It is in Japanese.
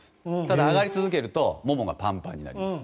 ただ、上がり続けると筋肉がパンパンになります。